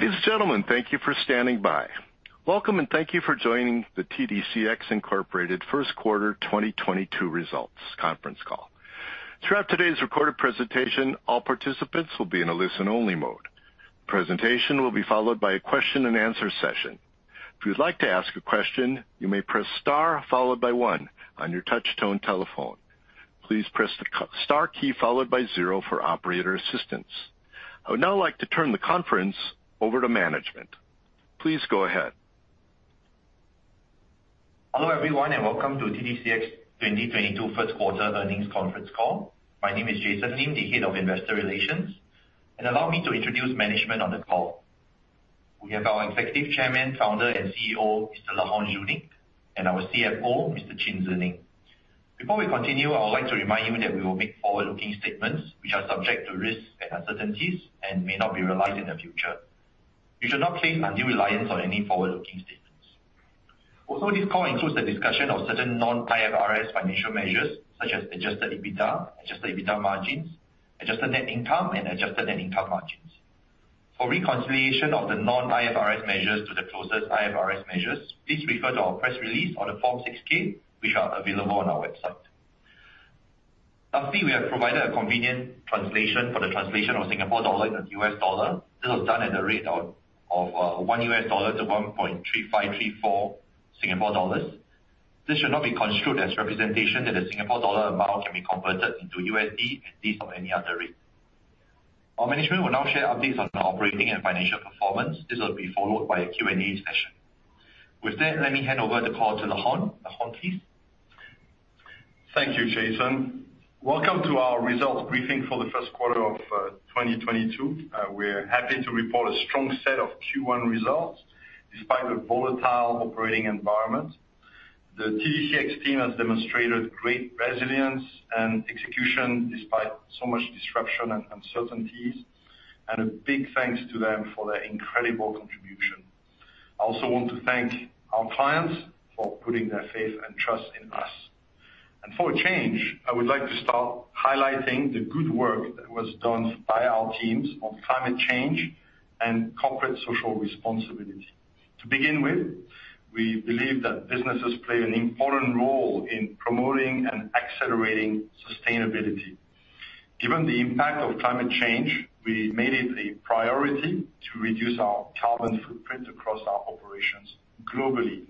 Ladies and gentlemen, thank you for standing by. Welcome, and thank you for joining the TDCX Inc. First Quarter 2022 Results Conference Call. Throughout today's recorded presentation, all participants will be in a listen-only mode. Presentation will be followed by a question-and-answer session. If you would like to ask a question, you may press star followed by one on your touch tone telephone. Please press the star key followed by zero for operator assistance. I would now like to turn the conference over to management. Please go ahead. Hello, everyone, and welcome to TDCX 2022 first quarter earnings conference call. My name is Jason Lim, Head of Investor Relations. Allow me to introduce management on the call. We have our Executive Chairman, Founder, and CEO, Mr. Laurent Junique, and our CFO, Mr. Chin Tze Neng. Before we continue, I would like to remind you that we will make forward-looking statements which are subject to risks and uncertainties and may not be realized in the future. You should not place undue reliance on any forward-looking statements. Also, this call includes the discussion of certain non-IFRS financial measures, such as adjusted EBITDA, adjusted EBITDA margins, adjusted net income, and adjusted net income margins. For reconciliation of the non-IFRS measures to the closest IFRS measures, please refer to our press release or the Form 6K, which are available on our website. Lastly, we have provided a convenient translation of Singapore dollar into US dollar. This was done at a rate of 1 US dollar to 1.3534 Singapore dollars. This should not be construed as representation that the Singapore dollar amount can be converted into USD at this or any other rate. Our management will now share updates on our operating and financial performance. This will be followed by a Q&A session. With that, let me hand over the call to Laurent. Laurent, please. Thank you, Jason. Welcome to our results briefing for the first quarter of 2022. We're happy to report a strong set of Q1 results despite a volatile operating environment. The TDCX team has demonstrated great resilience and execution despite so much disruption and uncertainties, and a big thanks to them for their incredible contribution. I also want to thank our clients for putting their faith and trust in us. For a change, I would like to start highlighting the good work that was done by our teams on climate change and corporate social responsibility. To begin with, we believe that businesses play an important role in promoting and accelerating sustainability. Given the impact of climate change, we made it a priority to reduce our carbon footprint across our operations globally.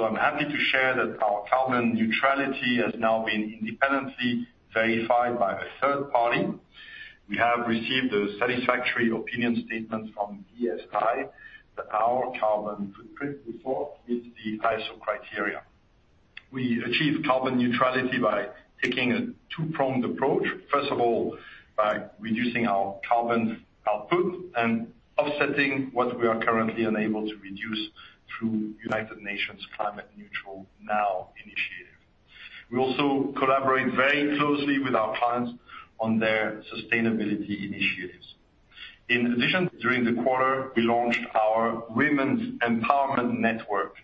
I'm happy to share that our carbon neutrality has now been independently verified by a third party. We have received a satisfactory opinion statement from BSI that our carbon footprint report meets the ISO criteria. We achieve carbon neutrality by taking a two-pronged approach. First of all, by reducing our carbon output and offsetting what we are currently unable to reduce through United Nations Climate Neutral Now initiative. We also collaborate very closely with our clients on their sustainability initiatives. In addition, during the quarter, we launched our Women's Empowerment Network.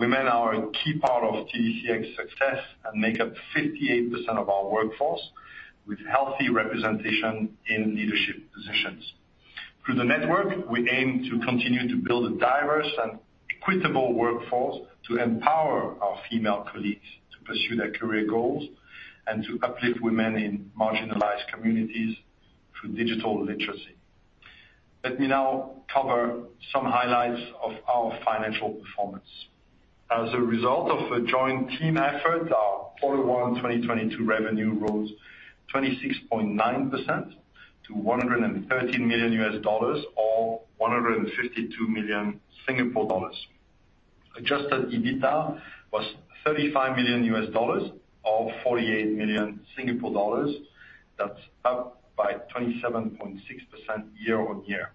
Women are a key part of TDCX success and make up 58% of our workforce with healthy representation in leadership positions. Through the network, we aim to continue to build a diverse and equitable workforce to empower our female colleagues to pursue their career goals and to uplift women in marginalized communities through digital literacy. Let me now cover some highlights of our financial performance. As a result of a joint team effort, our Q1 2022 revenue rose 26.9% to $113 million or 152 million Singapore dollars. Adjusted EBITDA was $35 million or 48 million Singapore dollars. That's up by 27.6% year-on-year.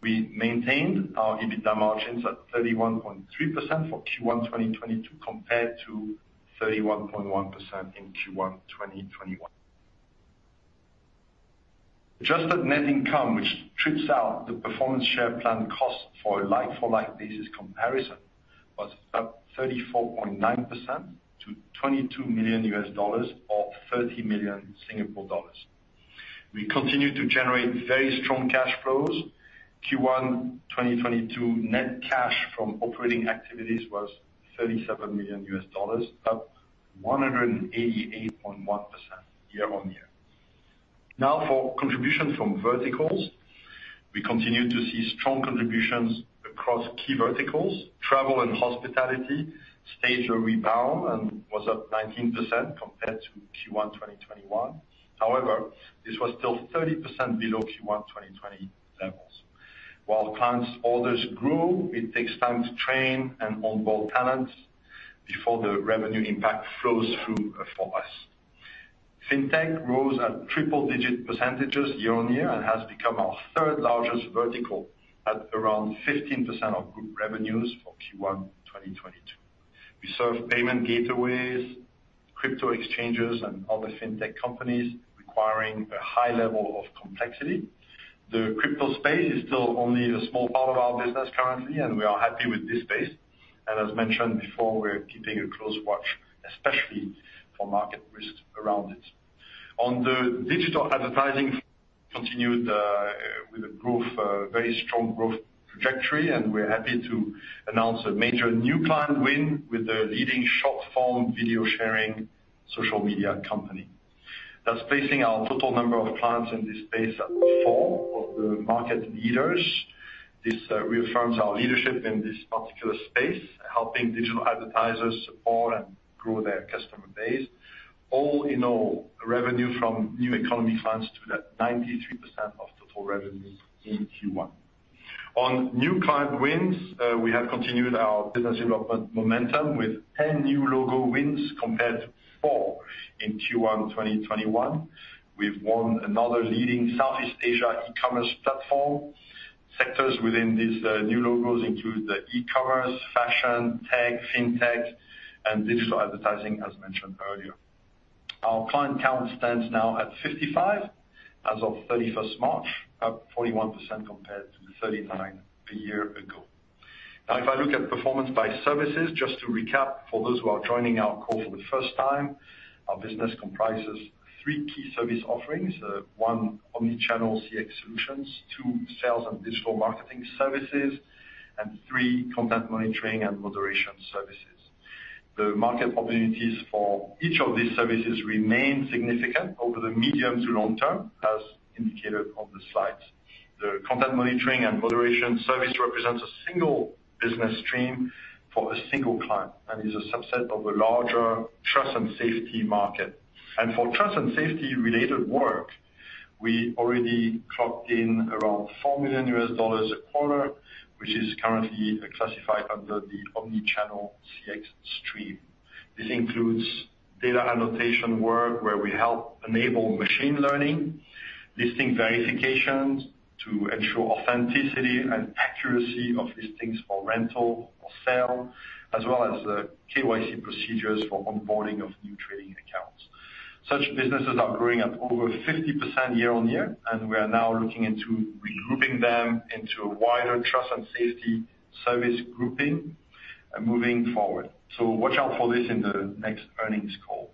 We maintained our EBITDA margins at 31.3% for Q1 2022 compared to 31.1% in Q1 2021. Adjusted net income, which strips out the performance share plan cost for a like-for-like basis comparison, was up 34.9% to $22 million or 30 million Singapore dollars. We continue to generate very strong cash flows. Q1 2022 net cash from operating activities was $37 million, up 188.1% year-on-year. Now for contribution from verticals. We continue to see strong contributions across key verticals. Travel and hospitality staged a rebound and was up 19% compared to Q1 2021. However, this was still 30% below Q1 2020 levels. While clients' orders grow, it takes time to train and onboard talent before the revenue impact flows through for us. Fintech rose at triple-digit percentages year-on-year and has become our third largest vertical at around 15% of group revenues for Q1 2022. We serve payment gateways, crypto exchanges, and other fintech companies requiring a high level of complexity. The crypto space is still only a small part of our business currently, and we are happy with this space. As mentioned before, we're keeping a close watch, especially for market risk around it. On the digital advertising continued with very strong growth trajectory, and we're happy to announce a major new client win with a leading short-form video sharing social media company. That's placing our total number of clients in this space at 4 of the market leaders. This reaffirms our leadership in this particular space, helping digital advertisers support and grow their customer base. All in all, revenue from new economy clients up to 93% of total revenue in Q1. On new client wins, we have continued our business development momentum with 10 new logo wins compared to 4 in Q1 2021. We've won another leading Southeast Asia e-commerce platform. Sectors within these new logos include the e-commerce, fashion, tech, fintech and digital advertising as mentioned earlier. Our client count stands now at 55 as of March 31, up 41% compared to the 39 a year ago. Now, if I look at performance by services, just to recap for those who are joining our call for the first time, our business comprises three key service offerings. One, omnichannel CX solutions. Two, sales and digital marketing services. And three, content monitoring and moderation services. The market opportunities for each of these services remain significant over the medium to long term, as indicated on the slides. The content monitoring and moderation service represents a single business stream for a single client, and is a subset of a larger Trust and Safety market. For Trust and Safety related work, we already clocked in around $4 million a quarter, which is currently classified under the omnichannel CX stream. This includes data annotation work where we help enable machine learning, listing verifications to ensure authenticity and accuracy of listings for rental or sale, as well as the KYC procedures for onboarding of new trading accounts. Such businesses are growing at over 50% year-over-year, and we are now looking into regrouping them into a wider Trust and Safety service grouping moving forward. Watch out for this in the next earnings call.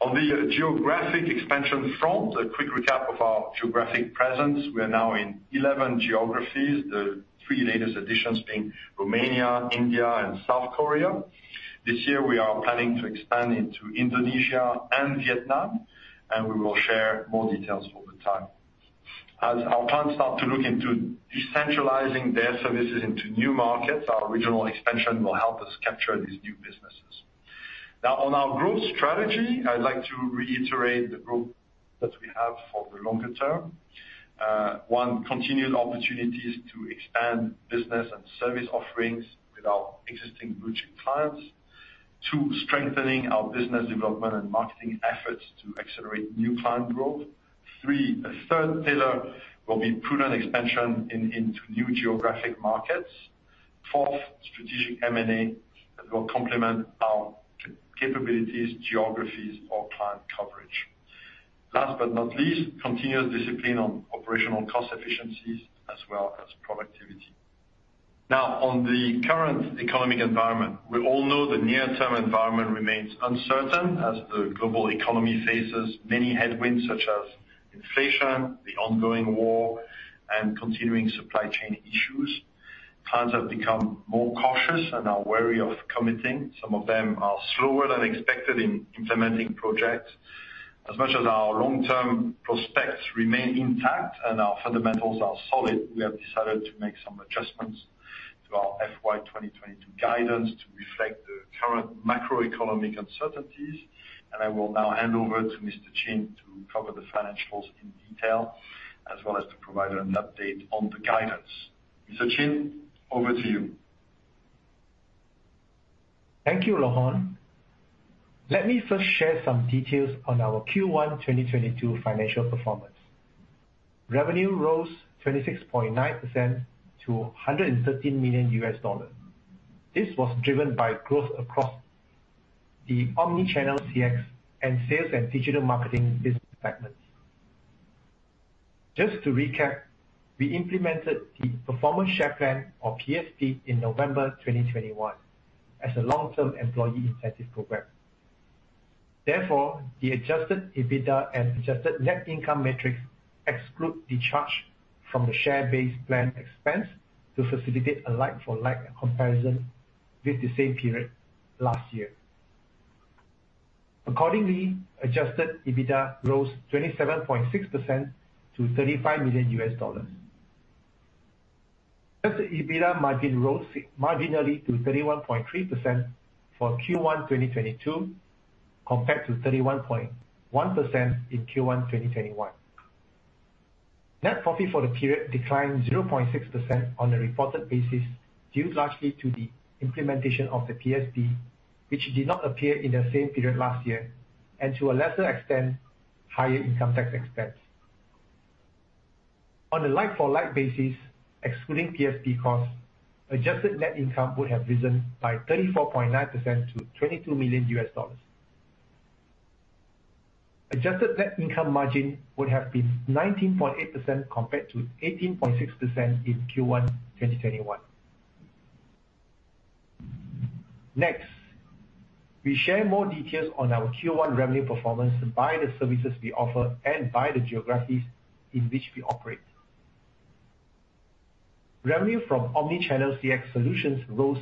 On the geographic expansion front, a quick recap of our geographic presence. We are now in 11 geographies, the 3 latest additions being Romania, India and South Korea. This year we are planning to expand into Indonesia and Vietnam, and we will share more details over time. As our clients start to look into decentralizing their services into new markets, our regional expansion will help us capture these new businesses. Now on our growth strategy, I'd like to reiterate the growth that we have for the longer term. One, continued opportunities to expand business and service offerings with our existing blue-chip clients. Two, strengthening our business development and marketing efforts to accelerate new client growth. Three, a third pillar will be prudent expansion in, into new geographic markets. Fourth, strategic M&A that will complement our capabilities, geographies or client coverage. Last but not least, continuous discipline on operational cost efficiencies as well as productivity. Now, on the current economic environment, we all know the near-term environment remains uncertain as the global economy faces many headwinds such as inflation, the ongoing war and continuing supply chain issues. Clients have become more cautious and are wary of committing. Some of them are slower than expected in implementing projects. As much as our long-term prospects remain intact and our fundamentals are solid, we have decided to make some adjustments to our FY 2022 guidance to reflect the current macroeconomic uncertainties. I will now hand over to Mr. Chin to cover the financials in detail, as well as to provide an update on the guidance. Mr. Chin, over to you. Thank you, Laurent. Let me first share some details on our Q1 2022 financial performance. Revenue rose 26.9% to $113 million. This was driven by growth across the omnichannel CX and sales and digital marketing business segments. Just to recap, we implemented the performance share plan or PSP in November 2021 as a long-term employee incentive program. Therefore, the adjusted EBITDA and adjusted net income metrics exclude the charge from the share-based plan expense to facilitate a like-for-like comparison with the same period last year. Accordingly, adjusted EBITDA rose 27.6% to $35 million. As the EBITDA margin rose marginally to 31.3% for Q1 2022, compared to 31.1% in Q1 2021. Net profit for the period declined 0.6% on a reported basis, due largely to the implementation of the PSP, which did not appear in the same period last year, and to a lesser extent, higher income tax expense. On a like-for-like basis, excluding PSP costs, adjusted net income would have risen by 34.9% to $22 million. Adjusted net income margin would have been 19.8% compared to 18.6% in Q1 2021. Next, we share more details on our Q1 revenue performance by the services we offer and by the geographies in which we operate. Revenue from omnichannel CX solutions rose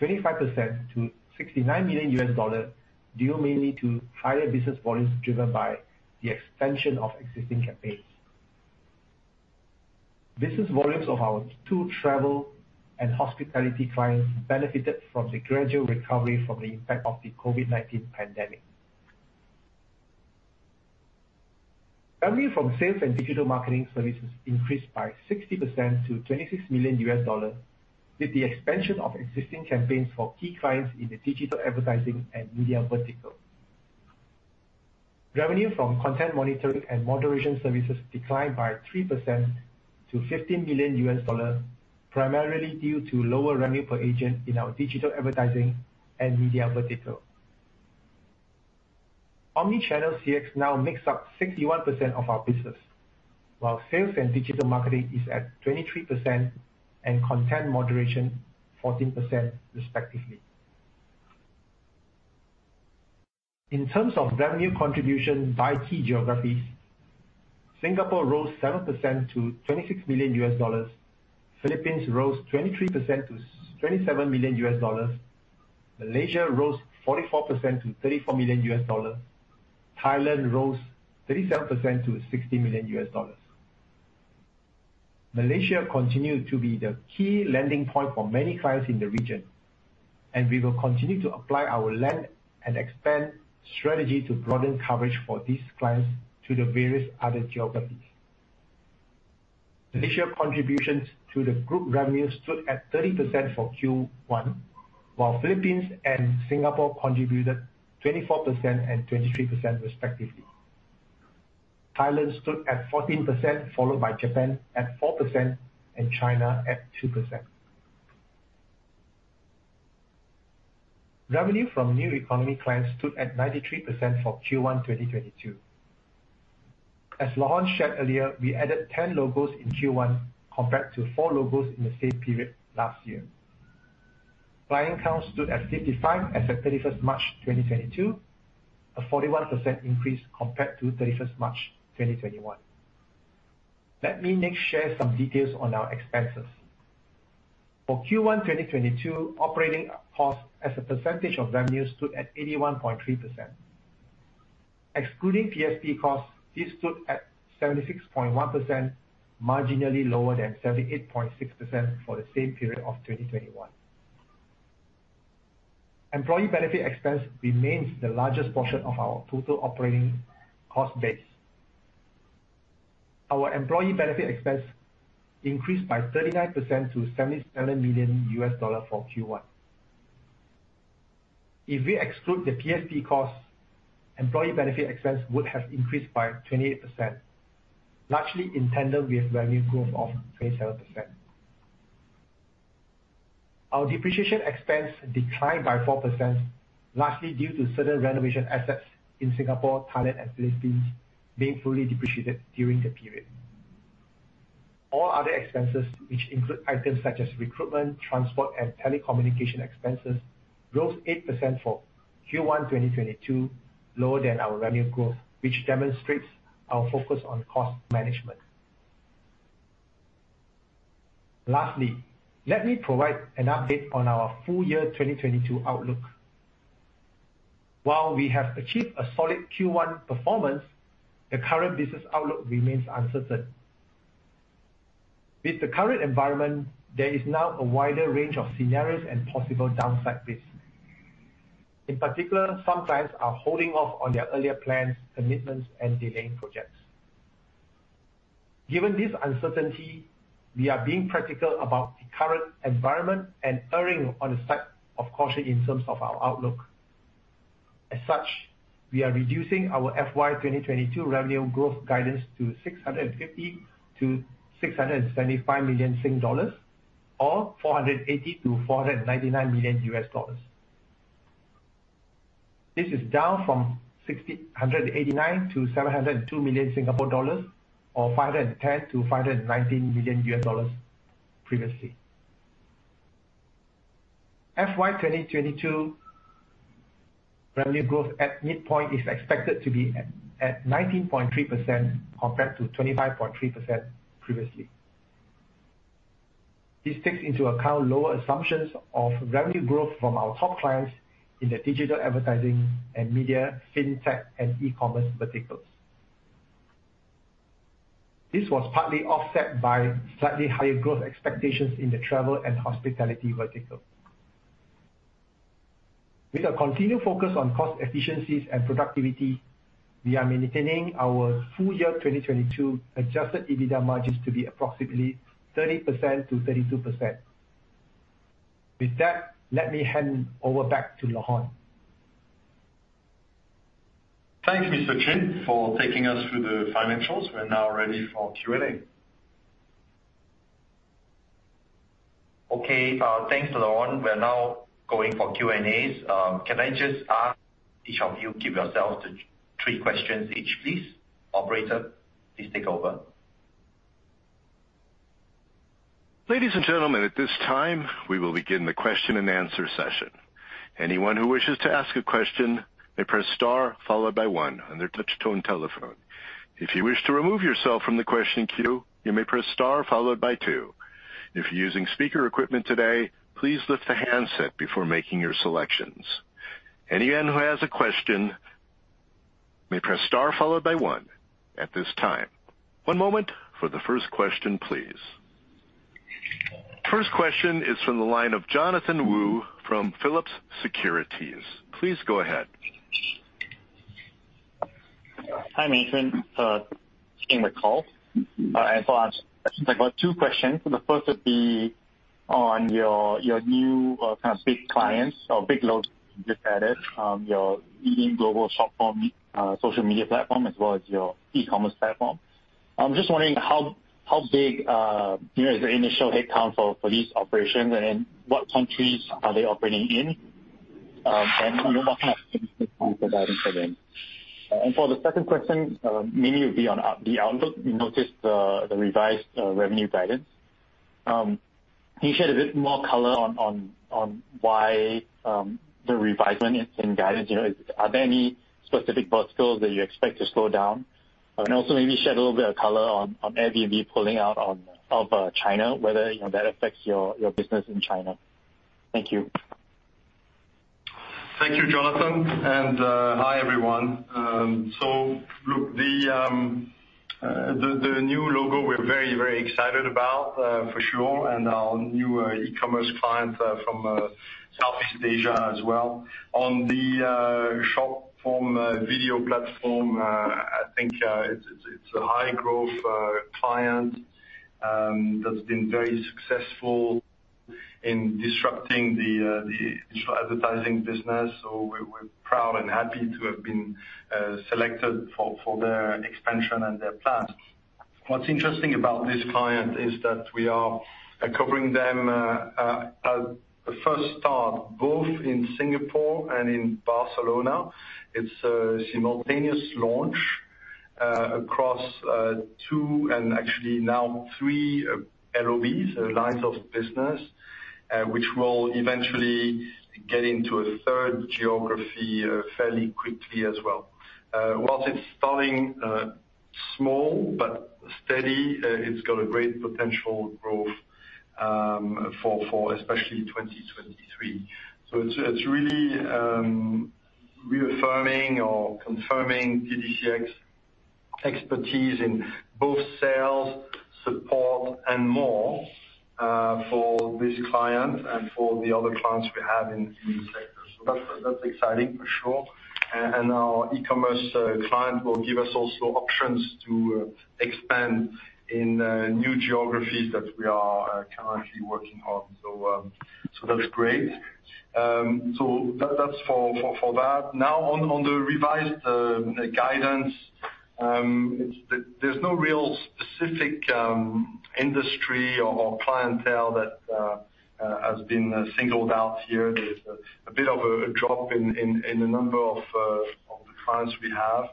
25% to $69 million, due mainly to higher business volumes driven by the expansion of existing campaigns. Business volumes of our two travel and hospitality clients benefited from the gradual recovery from the impact of the COVID-19 pandemic. Revenue from sales and digital marketing services increased by 60% to $26 million, with the expansion of existing campaigns for key clients in the digital advertising and media vertical. Revenue from content monitoring and moderation services declined by 3% to $15 million, primarily due to lower revenue per agent in our digital advertising and media vertical. Omni-channel CX now makes up 61% of our business, while sales and digital marketing is at 23% and content moderation 14% respectively. In terms of revenue contribution by key geographies, Singapore rose 7% to $26 million. Philippines rose 23% to twenty-seven million US dollars. Malaysia rose 44% to $34 million. Thailand rose 37% to $60 million. Malaysia continued to be the key landing point for many clients in the region, and we will continue to apply our land and expand strategy to broaden coverage for these clients to the various other geographies. Malaysia's contributions to the group revenue stood at 30% for Q1, while Philippines and Singapore contributed 24% and 23% respectively. Thailand stood at 14%, followed by Japan at 4% and China at 2%. Revenue from new economy clients stood at 93% for Q1 2022. As Laurent shared earlier, we added 10 logos in Q1 compared to 4 logos in the same period last year. Client count stood at 55 as at 31st March 2022, a 41% increase compared to 31st March 2021. Let me next share some details on our expenses. For Q1 2022, operating costs as a percentage of revenue stood at 81.3%. Excluding PSP costs, this stood at 76.1%, marginally lower than 78.6% for the same period of 2021. Employee benefit expense remains the largest portion of our total operating cost base. Our employee benefit expense increased by 39% to $77 million for Q1. If we exclude the PSP costs, employee benefit expense would have increased by 28%, largely in tandem with revenue growth of 27%. Our depreciation expense declined by 4%, largely due to certain renovation assets in Singapore, Thailand and Philippines being fully depreciated during the period. All other expenses, which include items such as recruitment, transport, and telecommunication expenses, rose 8% for Q1 2022, lower than our revenue growth, which demonstrates our focus on cost management. Lastly, let me provide an update on our full year 2022 outlook. While we have achieved a solid Q1 performance, the current business outlook remains uncertain. With the current environment, there is now a wider range of scenarios and possible downside risks. In particular, some clients are holding off on their earlier plans, commitments, and delaying projects. Given this uncertainty, we are being practical about the current environment and erring on the side of caution in terms of our outlook. As such, we are reducing our FY 2022 revenue growth guidance to 650 million-675 million Sing dollars, or $480 million-$499 million. This is down from 689 million-702 million Singapore dollars or $510 million-$519 million previously. FY 2022 revenue growth at midpoint is expected to be at 19.3% compared to 25.3% previously. This takes into account lower assumptions of revenue growth from our top clients in the digital advertising and media, fintech and e-commerce verticals. This was partly offset by slightly higher growth expectations in the travel and hospitality vertical. With a continued focus on cost efficiencies and productivity, we are maintaining our full year 2022 adjusted EBITDA margins to be approximately 30%-32%. With that, let me hand over back to Laurent. Thanks, Mr. Chin, for taking us through the financials. We're now ready for Q&A. Okay. Thanks, Laurent. We're now going for Q&As. Can I just ask each of you keep yourself to three questions each, please? Operator, please take over. Ladies and gentlemen, at this time, we will begin the question and answer session. Anyone who wishes to ask a question, may press star followed by one on their touch-tone telephone. If you wish to remove yourself from the question queue, you may press star followed by two. If you're using speaker equipment today, please lift the handset before making your selections. Anyone who has a question, may press star followed by one at this time. One moment for the first question, please. First question is from the line of Jonathan Woo from Phillip Securities. Please go ahead. Hi, Laurent Junique. Starting the call. I've got two questions. The first would be on your new kind of big clients or big logos you just added, your leading global short-form social media platform as well as your e-commerce platform. I'm just wondering how big, you know, is the initial headcount for these operations, and then what countries are they operating in? What kind of for them. For the second question, mainly be on the outlook. We noticed the revised revenue guidance. Can you shed a bit more color on why the revision in guidance, you know, are there any specific verticals that you expect to slow down? Also, maybe shed a little bit of color on Airbnb pulling out of China, whether you know that affects your business in China. Thank you. Thank you, Jonathan. Hi, everyone. Look, the new logo we're very excited about, for sure, and our new e-commerce client from Southeast Asia as well. On the short form video platform, I think it's a high growth client that's been very successful in disrupting the digital advertising business. We're proud and happy to have been selected for their expansion and their plans. What's interesting about this client is that we are covering them at the first start, both in Singapore and in Barcelona. It's a simultaneous launch across two and actually now three LOBs, lines of business, which will eventually get into a third geography fairly quickly as well. While it's starting small but steady, it's got a great potential growth for especially 2023. It's really reaffirming or confirming TDCX expertise in both sales, support and more for this client and for the other clients we have in this sector. That's exciting for sure. Our e-commerce client will give us also options to expand in new geographies that we are currently working on. That's great. That's for that. Now on the revised guidance, there's no real specific industry or clientele that has been singled out here. There's a bit of a drop in the number of the clients we have.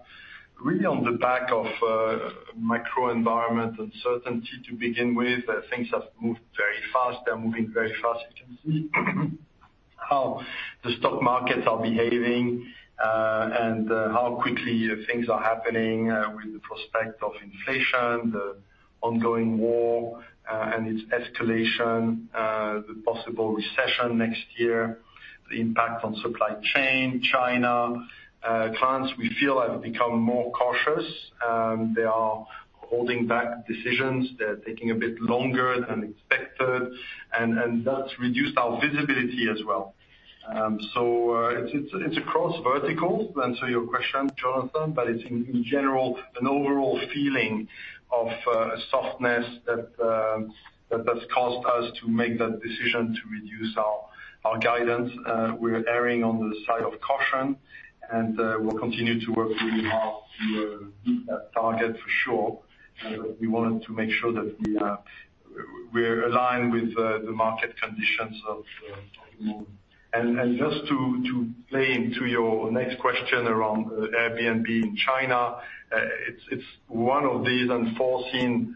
Really on the back of macro environment uncertainty to begin with, things have moved very fast. They're moving very fast. You can see how the stock markets are behaving, and how quickly things are happening, with the prospect of inflation, the ongoing war, and its escalation, the possible recession next year, the impact on supply chain, China. Clients we feel have become more cautious. They are holding back decisions. They're taking a bit longer than expected, and that's reduced our visibility as well. It's a cross vertical to answer your question, Jonathan, but it's in general an overall feeling of softness that's caused us to make that decision to reduce our guidance. We're erring on the side of caution and we'll continue to work really hard to meet that target for sure. We wanted to make sure that we we're aligned with the market conditions of the moment. Just to play into your next question around Airbnb in China, it's one of these unforeseen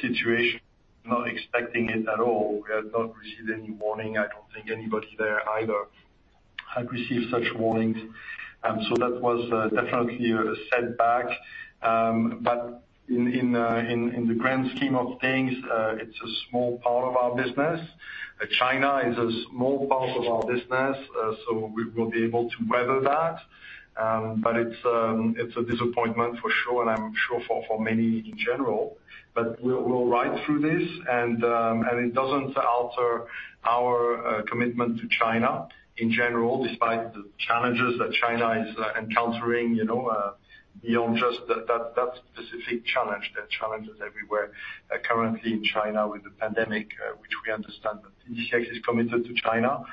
situations, not expecting it at all. We have not received any warning. I don't think anybody there either had received such warnings. That was definitely a setback. In the grand scheme of things, it's a small part of our business. China is a small part of our business, we will be able to weather that. It's a disappointment for sure and I'm sure for many in general. We'll ride through this and it doesn't alter our commitment to China in general despite the challenges that China is encountering, you know, beyond just that specific challenge. There are challenges everywhere currently in China with the pandemic, which we understand. TDCX is committed to China,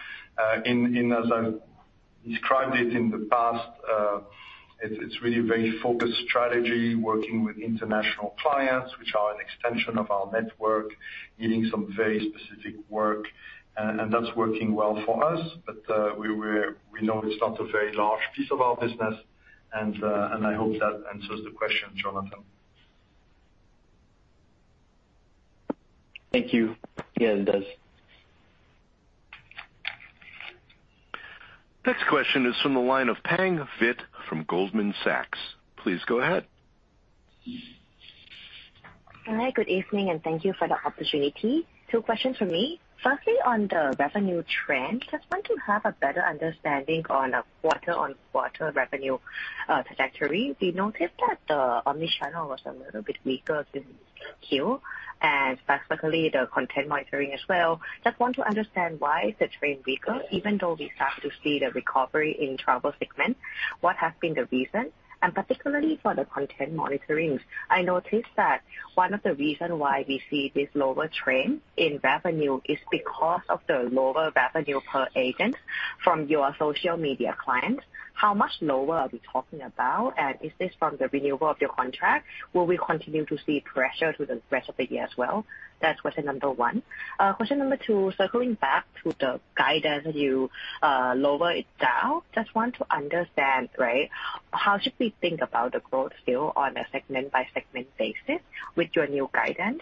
in as I've described it in the past. It's really a very focused strategy working with international clients which are an extension of our network needing some very specific work and that's working well for us. We know it's not a very large piece of our business and I hope that answers the question, Jonathan. Thank you. Yeah, it does. Next question is from the line of Pang Vitt from Goldman Sachs. Please go ahead. Hi, good evening, and thank you for the opportunity. Two questions for me. Firstly, on the revenue trend, just want to have a better understanding on a quarter-on-quarter revenue trajectory. We noticed that the omnichannel was a little bit weaker than Q, and specifically the content monitoring as well. Just want to understand why the trend weaker, even though we start to see the recovery in travel segment, what has been the reason? And particularly for the content monitorings, I noticed that one of the reason why we see this lower trend in revenue is because of the lower revenue per agent from your social media clients. How much lower are we talking about? And is this from the renewal of your contract? Will we continue to see pressure through the rest of the year as well? That's question number one. Question number two, circling back to the guidance, you lower it down. Just want to understand, right, how should we think about the growth still on a segment by segment basis with your new guidance?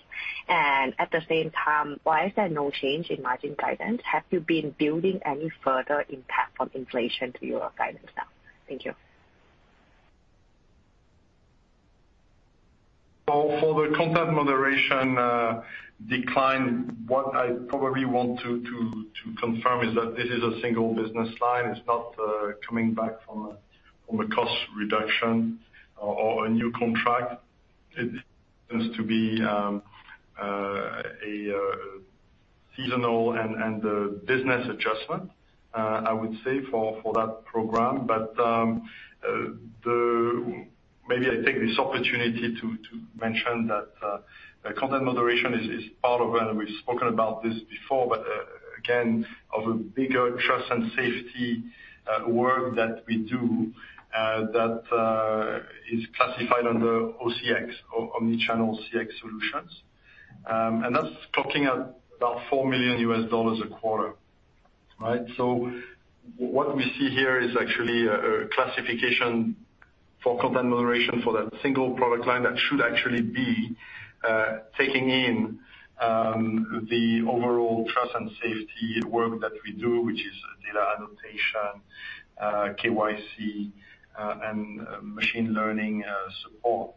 At the same time, why is there no change in margin guidance? Have you been baking any further impact from inflation to your guidance now? Thank you. For the content moderation decline, what I probably want to confirm is that this is a single business line. It's not coming back from a cost reduction or a new contract. It seems to be a seasonal and business adjustment, I would say for that program. Maybe I take this opportunity to mention that content moderation is part of, and we've spoken about this before, but again, of a bigger Trust and Safety work that we do that is classified under OCX, Omni-Channel CX Solutions. And that's clocking at about $4 million a quarter, right? What we see here is actually a classification for content moderation for that single product line that should actually be taking in the overall Trust and Safety work that we do, which is data annotation, KYC, and machine learning support.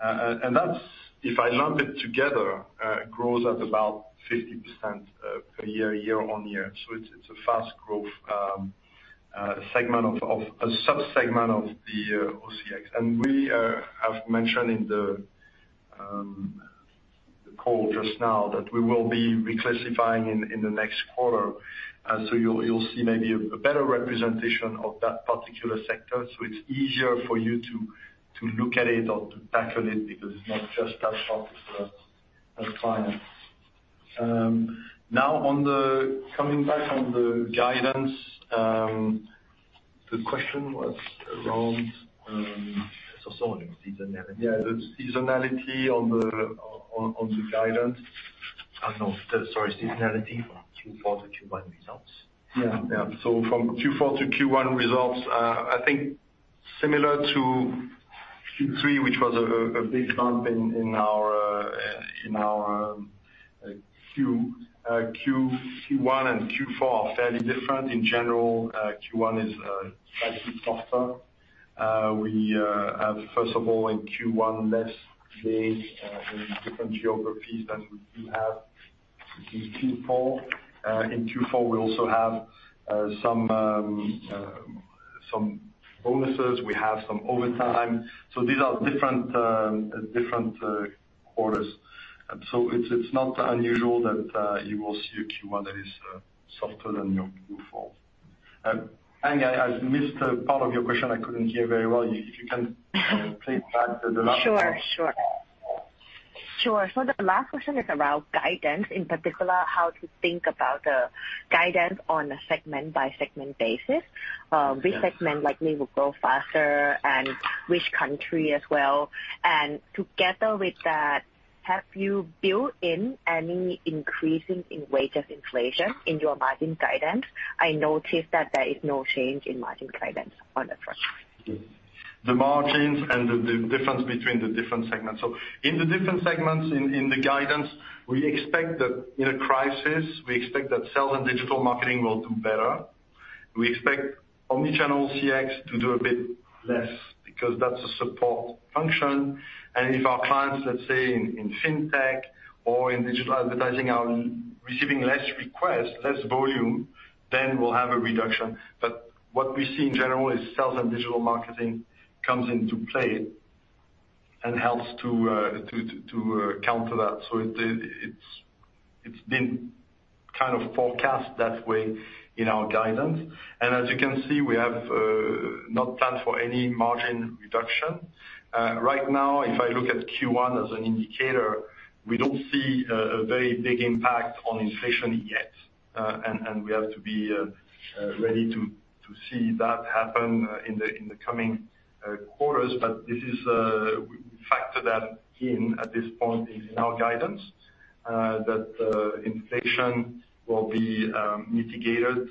That's, if I lump it together, grows at about 50% per year on year. It's a fast growth segment of a sub-segment of the OCX. We have mentioned in the call just now that we will be reclassifying in the next quarter. You'll see maybe a better representation of that particular sector, so it's easier for you to look at it or to tackle it because it's not just as hard for us as clients. Now, coming back on the guidance, the question was around. Seasonality. Yeah, the seasonality on the guidance. No. Sorry, seasonality from Q4 to Q1 results. Yeah. From Q4 to Q1 results, I think similar to Q3, which was a big bump in our Q4. Q1 and Q4 are fairly different. In general, Q1 is slightly softer. We have, first of all, in Q1, less days in different geographies than we do have in Q4. In Q4, we also have some bonuses. We have some overtime. These are different quarters. It's not unusual that you will see a Q1 that is softer than your Q4. Pang, I missed a part of your question. I couldn't hear very well. You can please repeat the last part. Sure. The last question is around guidance, in particular, how to think about the guidance on a segment by segment basis. Which segment likely will grow faster and which country as well. Together with that, have you built in any increases in wage inflation in your margin guidance? I noticed that there is no change in margin guidance on the first one. The margins and the difference between the different segments. In the different segments in the guidance, we expect that in a crisis, we expect that sales and digital marketing will do better. We expect omni-channel CX to do a bit less because that's a support function. If our clients, let's say in fintech or in digital advertising, are receiving less requests, less volume, then we'll have a reduction. What we see in general is sales and digital marketing comes into play and helps to counter that. It's been kind of forecast that way in our guidance. As you can see, we have not planned for any margin reduction. Right now, if I look at Q1 as an indicator, we don't see a very big impact on inflation yet. We have to be ready to see that happen in the coming quarters. This is, we factor that in at this point in our guidance that inflation will be mitigated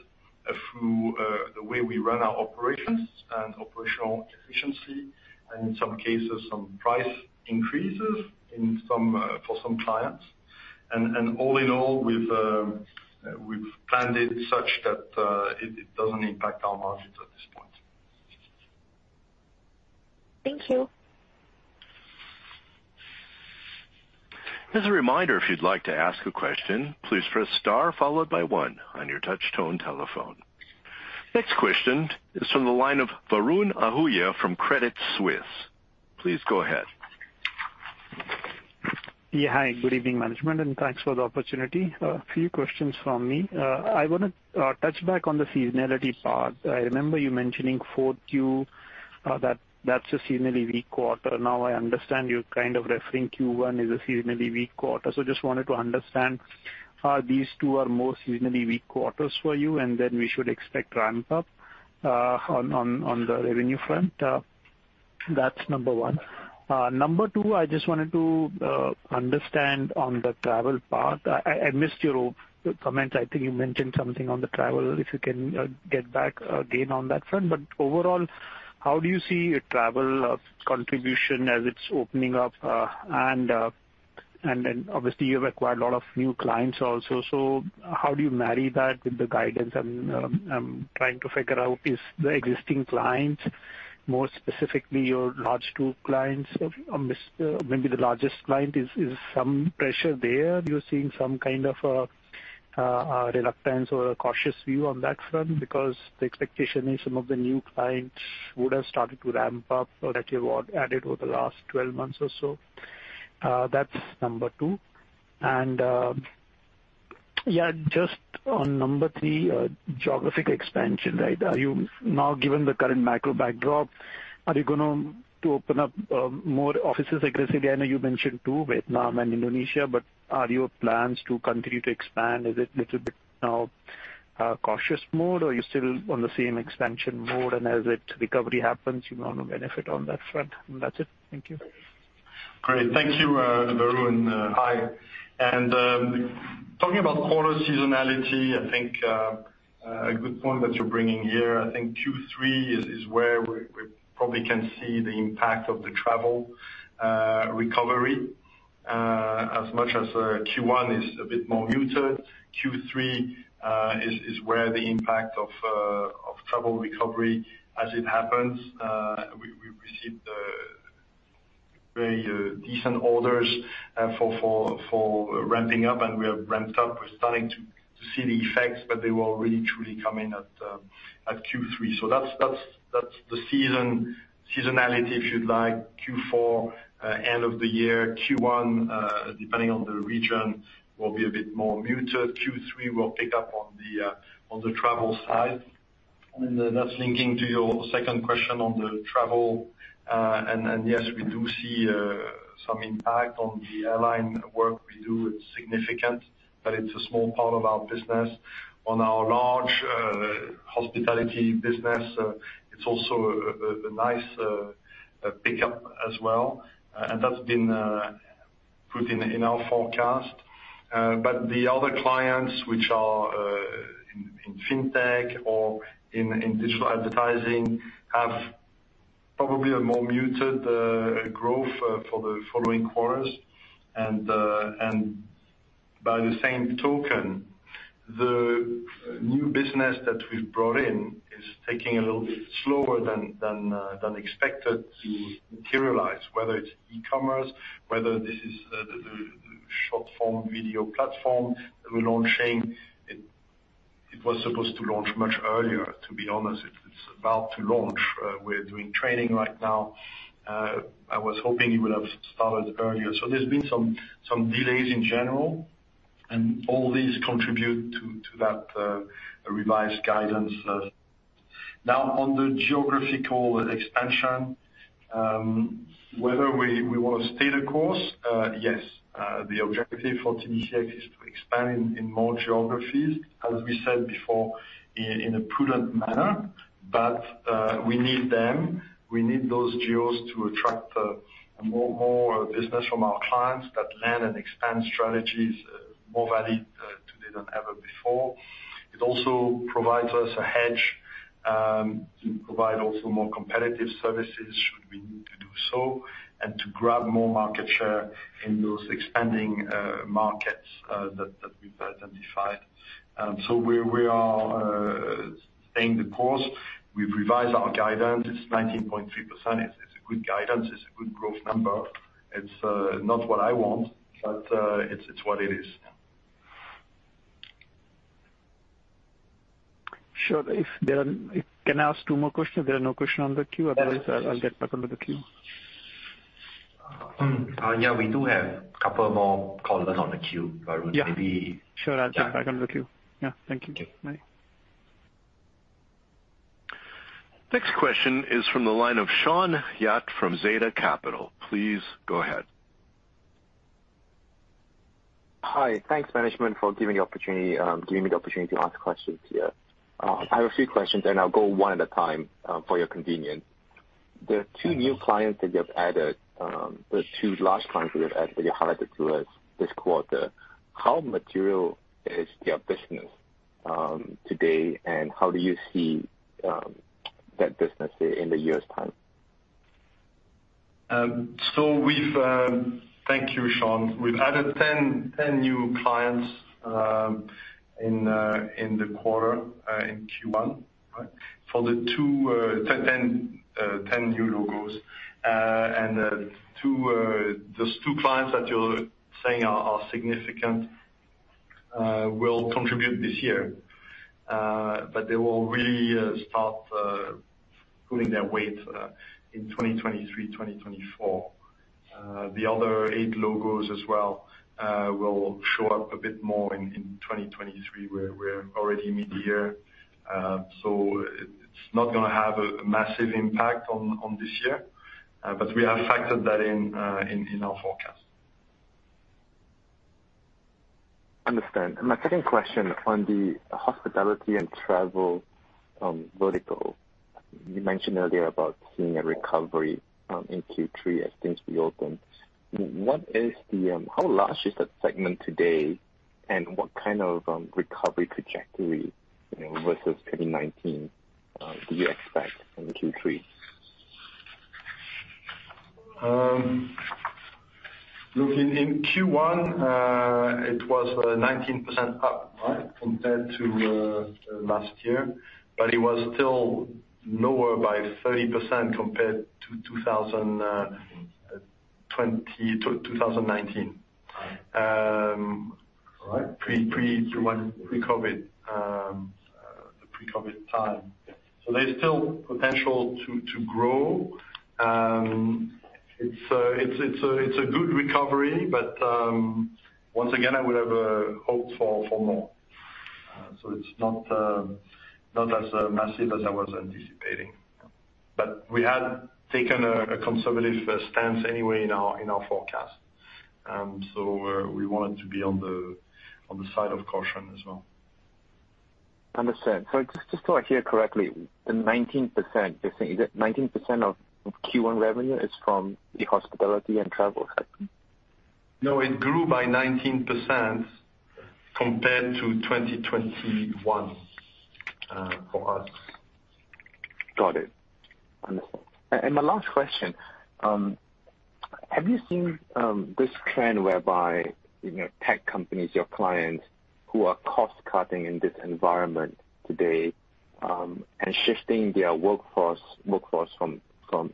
through the way we run our operations and operational efficiency, and in some cases, some price increases in some for some clients. All in all, we've planned it such that it doesn't impact our margins at this point. Thank you. As a reminder, if you'd like to ask a question, please press star followed by one on your touch tone telephone. Next question is from the line of Varun Ahuja from Credit Suisse. Please go ahead. Yeah. Hi, good evening, management, and thanks for the opportunity. A few questions from me. I wanna touch back on the seasonality part. I remember you mentioning fourth Q that that's a seasonally weak quarter. Now, I understand you're kind of referring Q1 as a seasonally weak quarter. Just wanted to understand are these two more seasonally weak quarters for you, and then we should expect ramp up on the revenue front? That's number one. Number two, I just wanted to understand on the travel part. I missed your comment. I think you mentioned something on the travel, if you can get back again on that front. Overall, how do you see a travel contribution as it's opening up? And then obviously you've acquired a lot of new clients also. How do you marry that with the guidance? I'm trying to figure out, is the existing clients, more specifically your large two clients, maybe the largest client, some pressure there? You're seeing some kind of a reluctance or a cautious view on that front because the expectation is some of the new clients would have started to ramp up or that you've added over the last 12 months or so. That's number 2. Just on number 3, geographic expansion, right? Are you now, given the current macro backdrop, going to open up more offices aggressively? I know you mentioned two, Vietnam and Indonesia, but are your plans to continue to expand? Is it little bit now, cautious mode or you still on the same expansion mode and as it recovery happens, you wanna benefit on that front? That's it. Thank you. Great. Thank you, Varun. Hi. Talking about quarter seasonality, I think a good point that you're bringing here. I think Q3 is where we probably can see the impact of the travel recovery, as much as Q1 is a bit more muted. Q3 is where the impact of travel recovery as it happens. We received very decent orders for ramping up, and we are ramped up. We're starting to see the effects, but they will really truly come in at Q3. So that's the seasonality, if you'd like. Q4 end of the year. Q1, depending on the region, will be a bit more muted. Q3 will pick up on the travel side. That's linking to your second question on the travel. Yes, we do see some impact on the airline work we do. It's significant, but it's a small part of our business. On our large hospitality business, it's also a nice pickup as well, and that's been put in our forecast. The other clients which are in fintech or in digital advertising have probably a more muted growth for the following quarters. By the same token, the new business that we've brought in is taking a little bit slower than expected to materialize, whether it's e-commerce, whether this is the short-form video platform that we're launching. It was supposed to launch much earlier, to be honest. It's about to launch. We're doing training right now. I was hoping it would have started earlier. There's been some delays in general, and all these contribute to that revised guidance. Now, on the geographical expansion, whether we wanna stay the course, yes. The objective for TDCX is to expand in more geographies, as we said before, in a prudent manner. We need them. We need those geos to attract more business from our clients. That land and expand strategy is more valid today than ever before. It also provides us a hedge to provide also more competitive services should we need to do so and to grab more market share in those expanding markets that we've identified. We are staying the course. We've revised our guidance. It's 19.3%. It's a good guidance. It's a good growth number. It's not what I want, but it's what it is. Sure. Can I ask two more questions? There are no questions on the queue. Otherwise, I'll get back on the queue. Yeah, we do have a couple more callers on the queue, Varun. Yeah. Maybe- Sure. I'll get back on the queue. Yeah. Thank you. Bye. Next question is from the line of Sean Hyatt from Zeta Capital. Please go ahead. Hi. Thanks, management, for giving me the opportunity to ask questions here. I have a few questions and I'll go one at a time for your convenience. The two large clients you have added that you highlighted to us this quarter, how material is their business today and how do you see that business in a year's time? Thank you, Sean. We've added 10 new clients in the quarter, in Q1, right? For the ten new logos. Those two clients that you're saying are significant will contribute this year. They will really start pulling their weight in 2023, 2024. The other eight logos as well will show up a bit more in 2023. We're already mid-year. It's not gonna have a massive impact on this year, but we have factored that in our forecast. Understand. My second question on the hospitality and travel vertical. You mentioned earlier about seeing a recovery in Q3 as things reopen. How large is that segment today, and what kind of recovery trajectory, you know, versus 2019, do you expect in Q3? Look, in Q1, it was 19% up, right, compared to last year, but it was still lower by 30% compared to 2020, 2019. All right. During pre-COVID time, there's still potential to grow. It's a good recovery, but once again, I would have hoped for more. It's not as massive as I was anticipating. We had taken a conservative stance anyway in our forecast. We wanted to be on the side of caution as well. Understand. Just so I hear correctly, the 19%, is it 19% of Q1 revenue is from the hospitality and travel segment? No, it grew by 19% compared to 2021, for us. Got it. Understand. My last question, have you seen this trend whereby, you know, tech companies, your clients, who are cost cutting in this environment today, and shifting their workforce from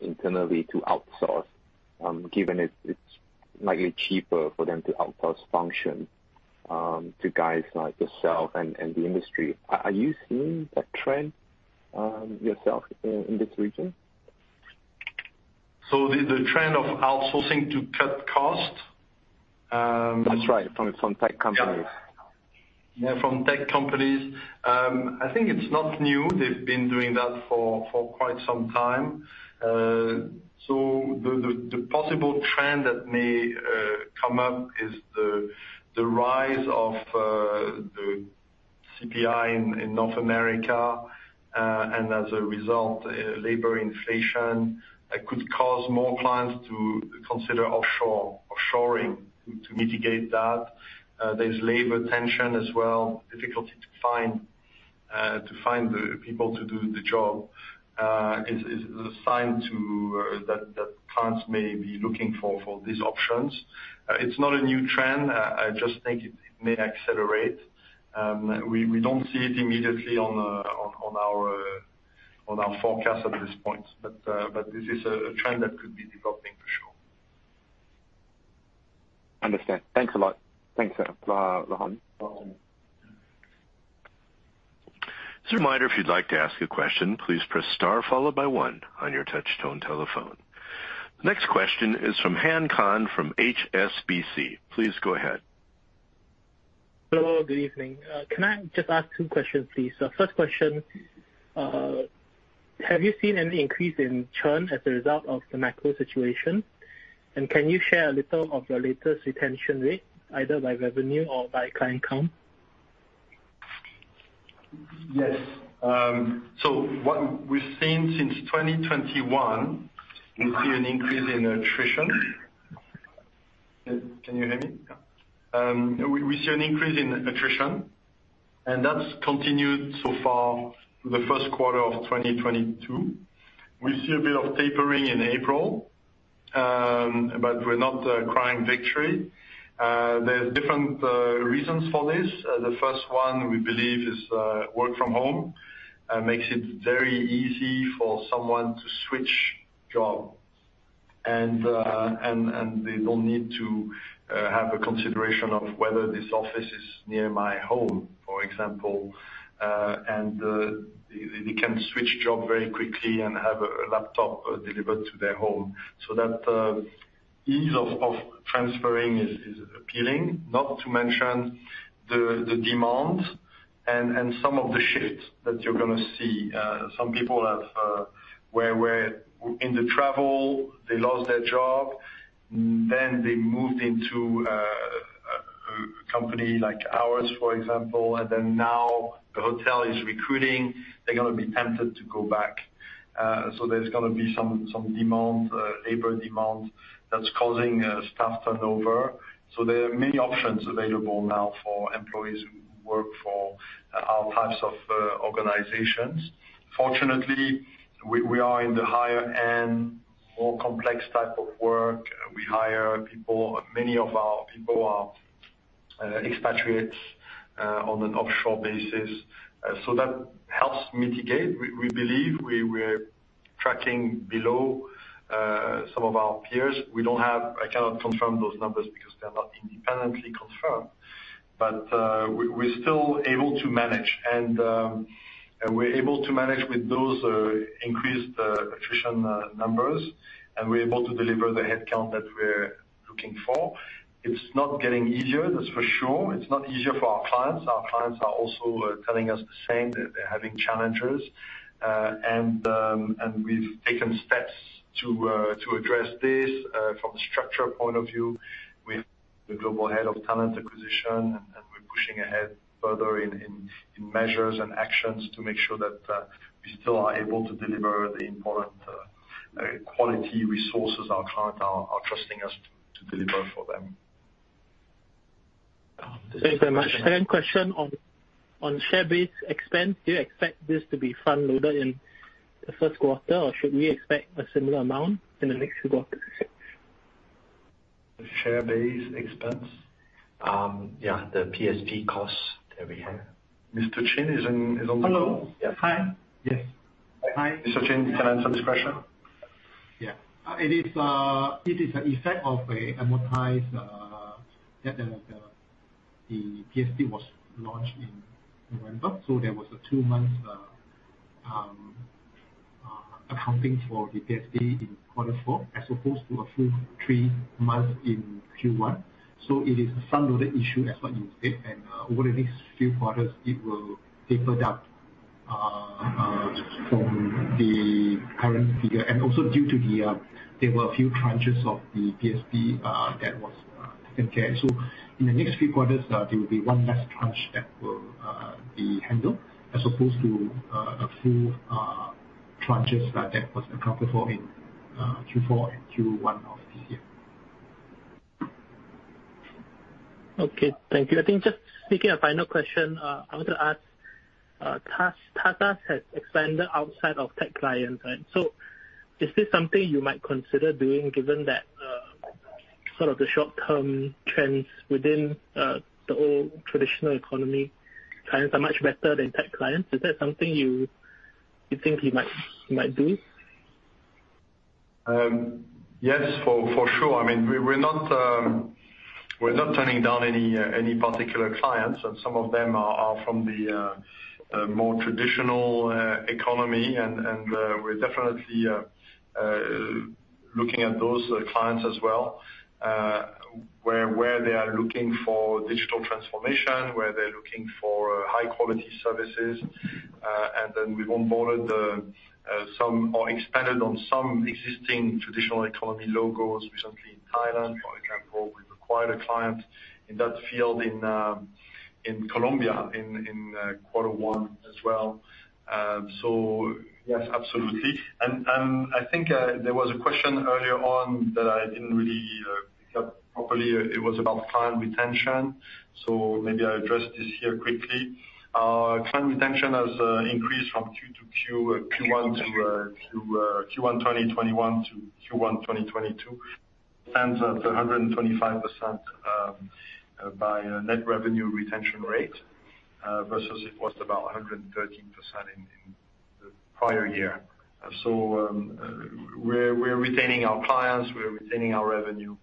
internally to outsourced, given it's likely cheaper for them to outsource function to guys like yourself and the industry? Are you seeing that trend yourself in this region? The trend of outsourcing to cut costs. That's right. From tech companies. Yeah. Yeah, from tech companies. I think it's not new. They've been doing that for quite some time. The possible trend that may come up is the rise of the CPI in North America, and as a result, labor inflation that could cause more clients to consider offshoring to mitigate that. There's labor tension as well. Difficulty to find the people to do the job is a sign that clients may be looking for these options. It's not a new trend. I just think it may accelerate. We don't see it immediately on our forecast at this point, but this is a trend that could be developing for sure. Understand. Thanks a lot. Thanks, Laurent. Welcome. Just a reminder, if you'd like to ask a question, please press star followed by one on your touch tone telephone. Next question is from Han Tan from HSBC. Please go ahead. Hello, good evening. Can I just ask two questions, please? First question, have you seen any increase in churn as a result of the macro situation? Can you share a little of your latest retention rate, either by revenue or by client count? Yes. What we've seen since 2021, we see an increase in attrition. Can you hear me? Yeah. We see an increase in attrition, and that's continued so far the first quarter of 2022. We see a bit of tapering in April, but we're not crying victory. There's different reasons for this. The first one we believe is work from home makes it very easy for someone to switch job. They don't need to have a consideration of whether this office is near my home, for example. They can switch job very quickly and have a laptop delivered to their home. That ease of transferring is appealing, not to mention the demand and some of the shifts that you're gonna see. Some people have... Where in the travel, they lost their job, then they moved into a company like ours, for example, and then now the hotel is recruiting, they're gonna be tempted to go back. There's gonna be some labor demand that's causing a staff turnover. There are many options available now for employees who work for our types of organizations. Fortunately, we are in the higher end, more complex type of work. We hire people. Many of our people are expatriates on an offshore basis. That helps mitigate. We believe we're tracking below some of our peers. We don't have. I cannot confirm those numbers because they're not independently confirmed. We're still able to manage. We're able to manage with those increased attrition numbers, and we're able to deliver the headcount that we're looking for. It's not getting easier, that's for sure. It's not easier for our clients. Our clients are also telling us the same, that they're having challenges. We've taken steps to address this from a structure point of view with the global head of talent acquisition, and we're pushing ahead further in measures and actions to make sure that we still are able to deliver the important quality resources our client are trusting us to deliver for them. Thanks very much. Second question on share-based expense. Do you expect this to be front-loaded in the first quarter, or should we expect a similar amount in the next few quarters? Share-based expense? Yeah, the PSP costs that we have. Mr. Chin is on the call. Hello. Yes. Hi. Yes. Hi. Mr. Chin, can you answer this question? Yeah. It is an effect of amortization that the PSP was launched in November, so there was a two-month accounting for the PSP in quarter four as opposed to a full three months in Q1. It is a front-loaded issue, as you said, and over the next few quarters, it will taper out from the current figure. Also due to there being a few tranches of the PSP that was taken care of. In the next few quarters, there will be one last tranche that will be handled as opposed to full tranches that was accounted for in Q4 and Q1 already. Yeah. Okay. Thank you. I think just speaking a final question, I want to ask, TaskUs has expanded outside of tech clients, right? Is this something you might consider doing given that, sort of the short-term trends within, the old traditional economy clients are much better than tech clients? Is that something you think you might do? Yes, for sure. I mean, we're not turning down any particular clients, and some of them are from the more traditional economy. We're definitely looking at those clients as well, where they are looking for digital transformation, where they're looking for high-quality services. And then we've onboarded some or expanded on some existing traditional economy logos recently in Thailand, for example. We've acquired a client in that field in Colombia in quarter one as well. Yes, absolutely. I think there was a question earlier on that I didn't really pick up properly. It was about client retention. Maybe I address this here quickly. Client retention has increased from Q1 2021 to Q1 2022. It stands at 125% by net revenue retention rate versus it was about 113% in the prior year. We're retaining our clients. We're retaining our revenue.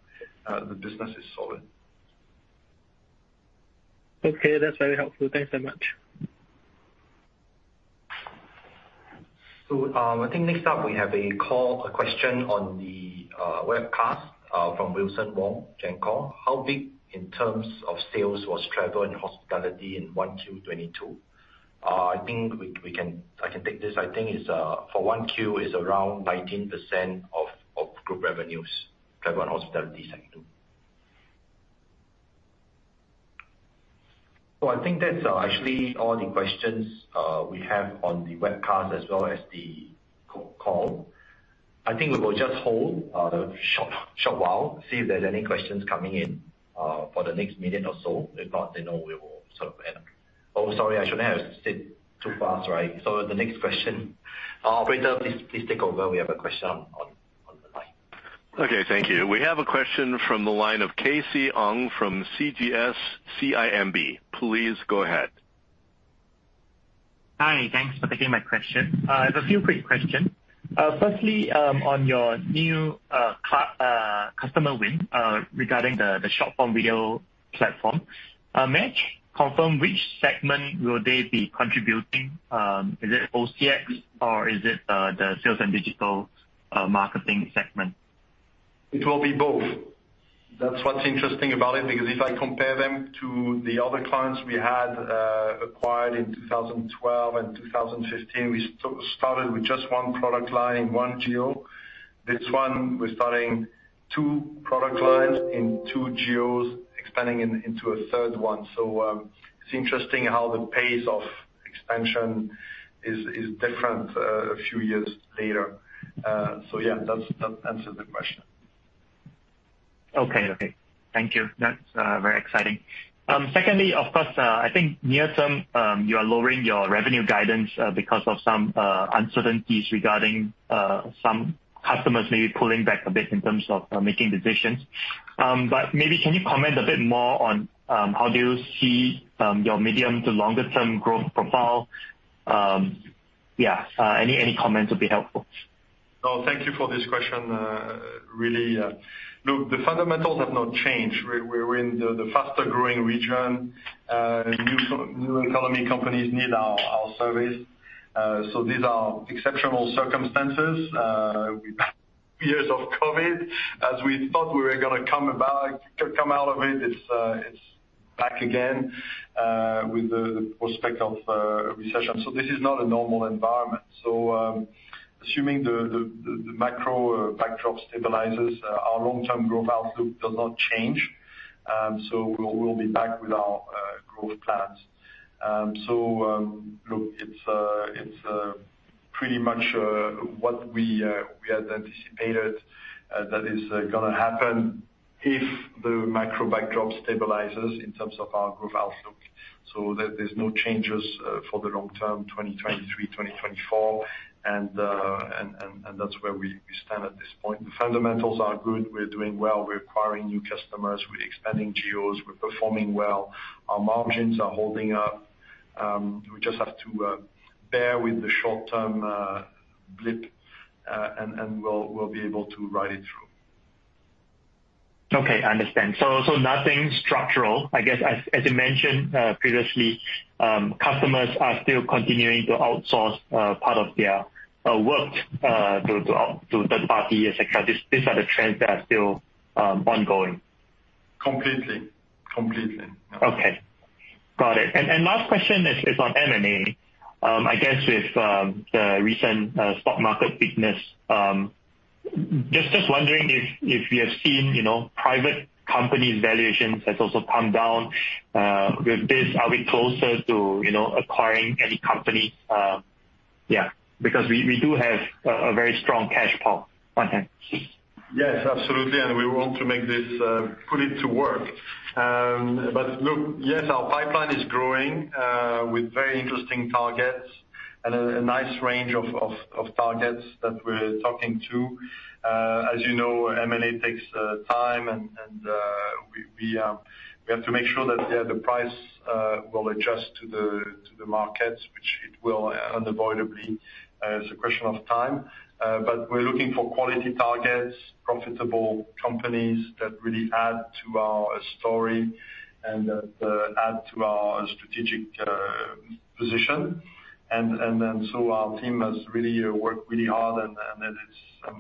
The business is solid. Okay. That's very helpful. Thanks so much. I think next up we have a call, a question on the webcast from Wilson Wong, Gencon. How big in terms of sales was travel and hospitality in 1Q 2022? I can take this. I think it's for 1Q around 19% of group revenues, travel and hospitality sector. I think that's actually all the questions we have on the webcast as well as the call. I think we will just hold a short while, see if there's any questions coming in for the next minute or so. If not, then now we will sort of end. Oh, sorry, I shouldn't have said too fast, right? The next question. Operator, please take over. We have a question on the line. Okay. Thank you. We have a question from the line of KC Ong from CGS-CIMB. Please go ahead. Hi. Thanks for taking my question. I have a few quick questions. Firstly, on your new customer win regarding the short-form video platform. May I confirm which segment will they be contributing? Is it OCX or is it the sales and digital marketing segment? It will be both. That's what's interesting about it, because if I compare them to the other clients we had acquired in 2012 and 2015, we started with just one product line, one geo. This one, we're starting two product lines in two geos, expanding into a third one. It's interesting how the pace of expansion is different a few years later. Yeah, that answers the question. Okay. Thank you. That's very exciting. Secondly, of course, I think near term you are lowering your revenue guidance because of some uncertainties regarding some customers maybe pulling back a bit in terms of making decisions. Maybe can you comment a bit more on how do you see your medium to longer term growth profile? Yeah, any comments would be helpful. Oh, thank you for this question, really. Look, the fundamentals have not changed. We're in the faster growing region. New economy companies need our service. These are exceptional circumstances. We've had years of COVID. As we thought we were gonna come out of it's back again with the prospect of a recession. This is not a normal environment. Assuming the macro backdrop stabilizes, our long-term growth outlook does not change. We'll be back with our growth plans. Look, it's pretty much what we had anticipated that is gonna happen if the macro backdrop stabilizes in terms of our growth outlook. There's no changes for the long term, 2023, 2024. That's where we stand at this point. The fundamentals are good. We're doing well. We're acquiring new customers. We're expanding geos. We're performing well. Our margins are holding up. We just have to bear with the short-term blip, and we'll be able to ride it through. Okay, I understand. Nothing structural. I guess as you mentioned previously, customers are still continuing to outsource part of their work to third-party, et cetera. These are the trends that are still ongoing. Completely. Okay. Got it. Last question is on M&A. I guess with the recent stock market weakness, just wondering if you have seen, you know, private company valuations has also come down with this. Are we closer to, you know, acquiring any company? Yeah. Because we do have a very strong cash pile on hand. Yes, absolutely, and we want to make this put it to work. Look, yes, our pipeline is growing with very interesting targets and a nice range of targets that we're talking to. As you know, M&A takes time and we have to make sure that the price will adjust to the markets, which it will unavoidably. It's a question of time. We're looking for quality targets, profitable companies that really add to our story and add to our strategic position. Our team has really worked really hard and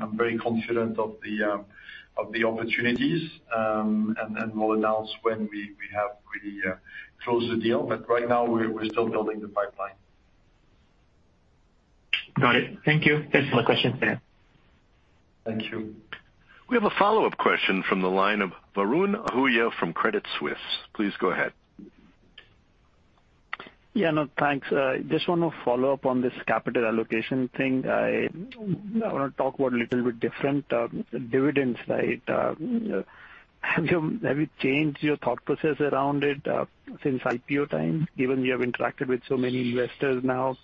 I'm very confident of the opportunities. We'll announce when we have really closed the deal. Right now we're still building the pipeline. Got it. Thank you. That's all the questions I have. Thank you. We have a follow-up question from the line of Varun Ahuja from Credit Suisse. Please go ahead. Yeah, no, thanks. Just wanna follow up on this capital allocation thing. I wanna talk about a little bit different, dividends, right? Have you changed your thought process around it since IPO time, given you have interacted with so many investors now?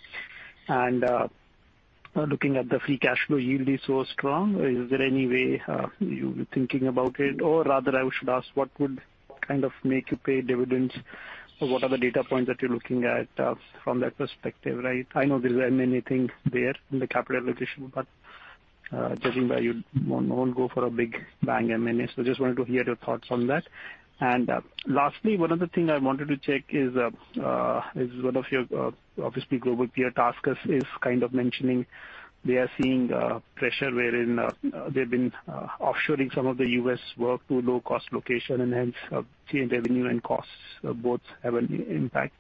Looking at the free cash flow yield is so strong, is there any way you're thinking about it? Or rather, I should ask, what would kind of make you pay dividends? What are the data points that you're looking at from that perspective, right? I know there aren't many things there in the capital allocation, but judging by you won't go for a big bang M&A. Just wanted to hear your thoughts on that. Lastly, one other thing I wanted to check is one of your obviously global peer TaskUs is kind of mentioning they are seeing pressure wherein they've been offshoring some of the US work to low cost location and hence seeing revenue and costs both have an impact.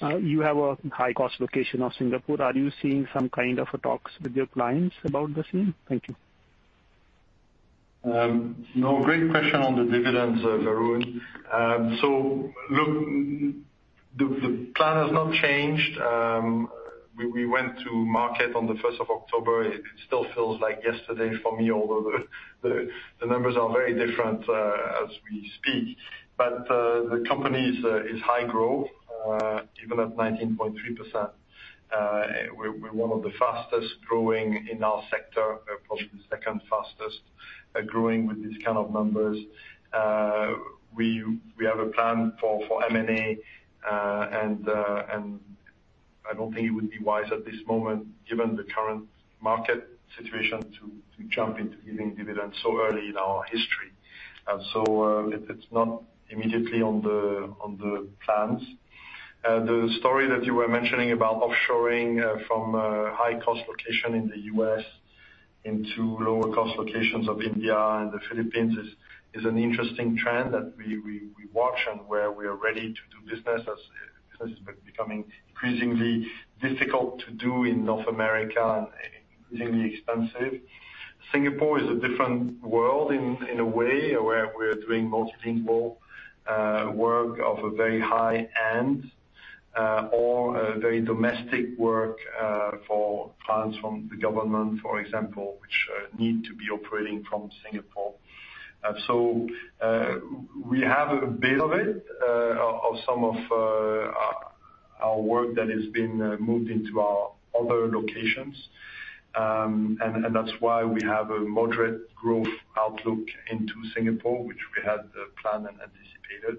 You have a high cost location of Singapore. Are you seeing some kind of a talks with your clients about the same? Thank you. No. Great question on the dividends, Varun. So look, the plan has not changed. We went to market on the first of October. It still feels like yesterday for me, although the numbers are very different as we speak. The company is high growth, even at 19.3%. We're one of the fastest growing in our sector, probably the second fastest growing with this kind of numbers. We have a plan for M&A. And I don't think it would be wise at this moment, given the current market situation, to jump into giving dividends so early in our history. It's not immediately on the plans. The story that you were mentioning about offshoring from a high-cost location in the U.S. into lower-cost locations of India and the Philippines is an interesting trend that we watch and where we are ready to do business, as business is becoming increasingly difficult to do in North America and increasingly expensive. Singapore is a different world in a way where we're doing multilingual work of a very high-end or a very domestic work for clients from the government, for example, which need to be operating from Singapore. We have a bit of it of some of our work that has been moved into our other locations. That's why we have a moderate growth outlook into Singapore, which we had planned and anticipated.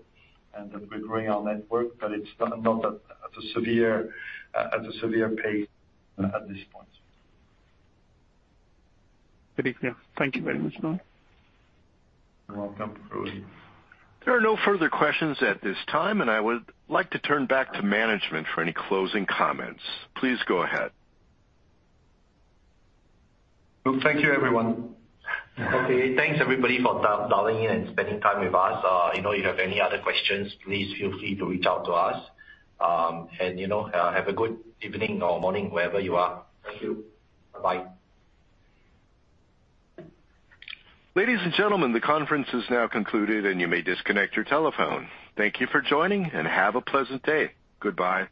We're growing our network, but it's not at a severe pace at this point. Very clear. Thank you very much, Laurent Junique. You're welcome, Varun. There are no further questions at this time, and I would like to turn back to management for any closing comments. Please go ahead. Well, thank you, everyone. Okay. Thanks, everybody, for dialing in and spending time with us. You know, if you have any other questions, please feel free to reach out to us. You know, have a good evening or morning, wherever you are. Thank you. Bye-bye. Ladies and gentlemen, the conference is now concluded, and you may disconnect your telephone. Thank you for joining, and have a pleasant day. Goodbye.